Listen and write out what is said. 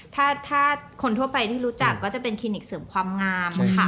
ถ้าคนทั่วไปที่รู้จักก็จะเป็นคลินิกเสริมความงามค่ะ